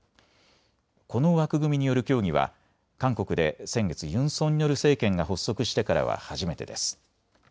この枠組みによる協議は韓国で先月、ユン・ソンニョル政権が発足してからは初めてです。